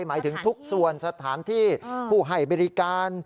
หมายถึงทุกส่วนสถานที่ผู้ให้บริการ